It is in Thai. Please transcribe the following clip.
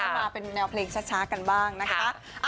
มาเป็นแนวเพลงช้ากันบ้างนะคะ